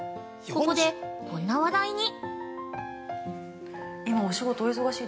ここで、こんな話題に。